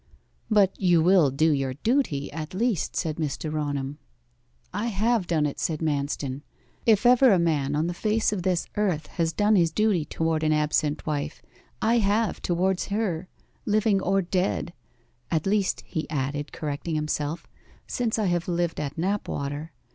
'But you will do your duty at least?' said Mr. Raunham. 'I have done it,' said Manston. 'If ever a man on the face of this earth has done his duty towards an absent wife, I have towards her living or dead at least,' he added, correcting himself, 'since I have lived at Knapwater.